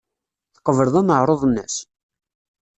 Tqebleḍ aneɛruḍ-nnes?